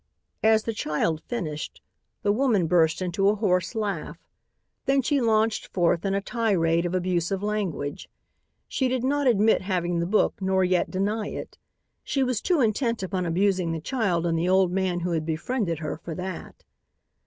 As the child finished, the woman burst into a hoarse laugh. Then she launched forth in a tirade of abusive language. She did not admit having the book nor yet deny it. She was too intent upon abusing the child and the old man who had befriended her for that.